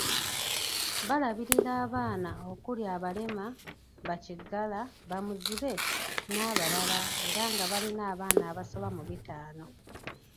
Balabirira abaana okuli; abalema, bakigala, bamuzibe n'abalala era nga balina abaana abasoba mu bitaano.